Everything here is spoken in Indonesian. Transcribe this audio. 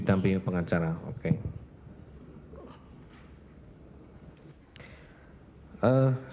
didampingi pengacara oke